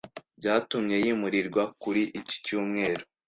byatumye yimurirwa kuri iki cyumweru